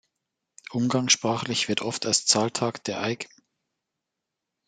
Umgangssprachlich wird oft als "Zahltag" der eig.